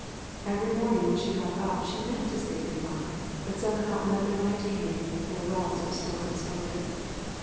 Every morning, when she got up, she meant to say good bye, but somehow another night came and the farewells were still unspoken.